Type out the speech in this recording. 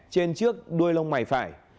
trên trước đuôi lông mải phải